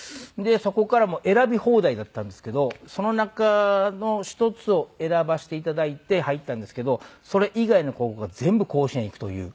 そこからもう選び放題だったんですけどその中の１つを選ばせていただいて入ったんですけどそれ以外の高校が全部甲子園いくという。